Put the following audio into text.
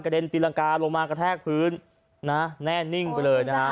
เด็นตีรังกาลงมากระแทกพื้นนะแน่นิ่งไปเลยนะฮะ